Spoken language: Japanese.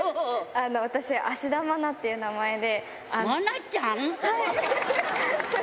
私、芦田愛菜って名前で。